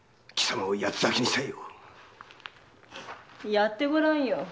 やってごらんよ。